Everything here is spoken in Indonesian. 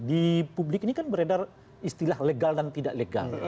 di publik ini kan beredar istilah legal dan tidak legal